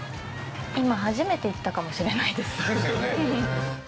今初めて言ったかもしれないですですよね